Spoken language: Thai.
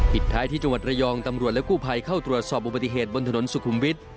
ท้ายที่จังหวัดระยองตำรวจและกู้ภัยเข้าตรวจสอบอุบัติเหตุบนถนนสุขุมวิทย์